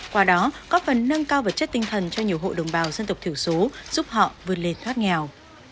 qua đó có phần nâng cao vật chất tinh thần cho nhiều hộ đồng bào dân tộc thiểu số giúp họ vươn lên thoát nghèo